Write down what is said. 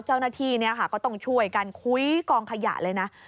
เจ้าหน้าที่ก็ต้องช่วยกันคุ้ยกองขยะเลยนะ